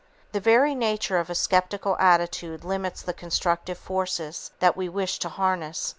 The very nature of a skeptical attitude limits the constructive forces that we wish to harness.